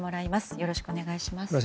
よろしくお願いします。